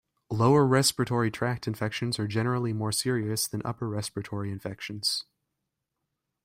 Lower respiratory tract infections are generally more serious than upper respiratory infections.